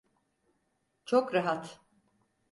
Çok rahat.